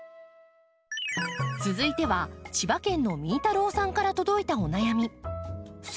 続いては千葉県のみーたろうさんから届いたお悩み。